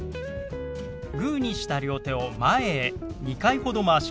グーにした両手を前へ２回ほどまわします。